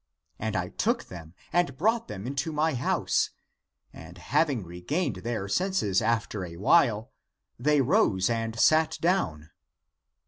And I took them and brought them into my house, and having regained their senses after a while, they rose and sat down.